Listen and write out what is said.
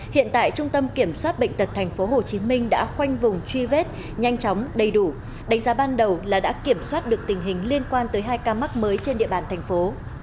hiện tại trung tâm kiểm soát bệnh tật tp hcm đã khoanh vùng truy vết nhanh chóng đầy đủ đánh giá ban đầu là đã kiểm soát được tình hình liên quan tới hai ca mắc mới trên địa bàn thành phố